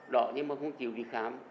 đỏ nhưng mà không chịu đi khám